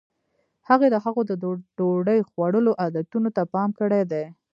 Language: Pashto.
هغې د هغوی د ډوډۍ خوړلو عادتونو ته پام کړی دی.